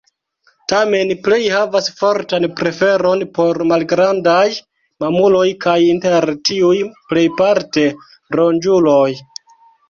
Tamen plej havas fortan preferon por malgrandaj mamuloj kaj inter tiuj plejparte ronĝuloj.